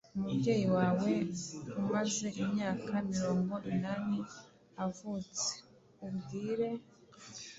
yumubyeyi wawe umaze imyaka mirongo inani avutse. Ubwire